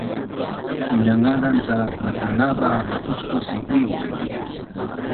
Indangazun cak masnanava maqusqus ii iuu